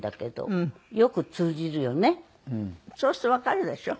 そうするとわかるでしょ？